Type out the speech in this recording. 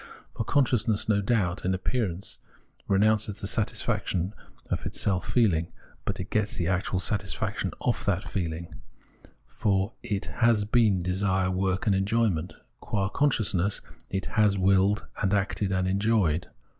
For conscious ness, no doubt, in appearance renounces the satisfac tion of its self feehng, but it gets the actual satisfac tion of that feeling ; for it has been desire, work, and enjoyment ; qua consciousness it has willed, has acted, has enjoyed.